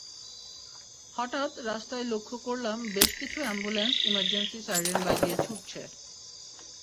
হঠাৎ রাস্তায় লক্ষ করলাম বেশ কিছু অ্যাম্বুলেন্স ইমার্জেন্সি সাইরেন বাজিয়ে ছুটছে।